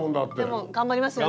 でも頑張りますよね。